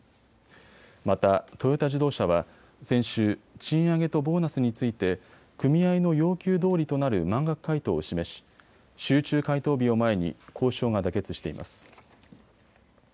またトヨタ自動車は先週、賃上げとボーナスについて組合の要求どおりとなる満額回答を示し、集中回答日を前に交渉が妥結しています。